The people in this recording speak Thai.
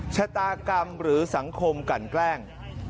ชะตากรรมหรือสังคมกันแกล้ง